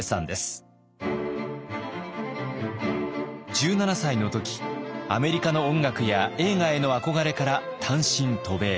１７歳の時アメリカの音楽や映画への憧れから単身渡米。